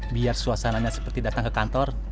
biar suasananya seperti datang ke kantor